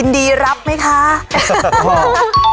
ดรสมไทยวงจร